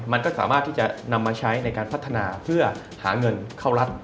มันก็สามารถที่จะนำมาใช้ในการพัฒนาเพื่อหาเงินเข้ารัฐ